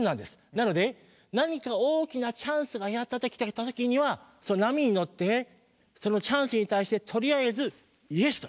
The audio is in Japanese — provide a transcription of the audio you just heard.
なので何か大きなチャンスがやって来た時にはその波に乗ってそのチャンスに対してとりあえず「ＹＥＳ」と言う。